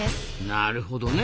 なるほどね。